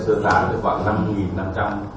cố gắng để bảo vệ hỗ trợ người dân